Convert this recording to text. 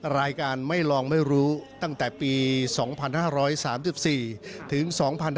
รายการไม่ลองไม่รู้ตั้งแต่ปี๒๕๓๔ถึง๒๕๕๙